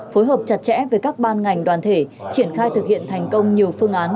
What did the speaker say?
phối hợp chặt chẽ với các ban ngành đoàn thể triển khai thực hiện thành công nhiều phương án